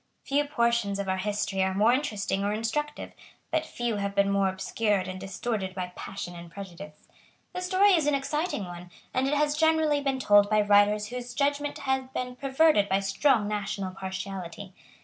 Few portions of our history are more interesting or instructive; but few have been more obscured and distorted by passion and prejudice. The story is an exciting one; and it has generally been told by writers whose judgment had been perverted by strong national partiality.